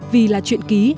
vì là chuyện ký